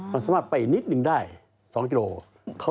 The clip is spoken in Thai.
มันสามารถไปนิดนึงได้๒กิโลกรัม